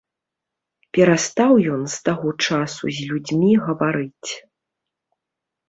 Перастаў ён з таго часу з людзьмі гаварыць.